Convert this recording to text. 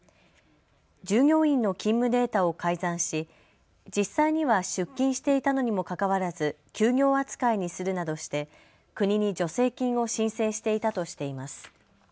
従業員の勤務データを改ざんし実際には出勤していたのにもかかわらず休業扱いにするなどして国に助成金を申請していたとしています。